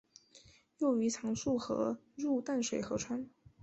幼鱼常溯河入淡水河川。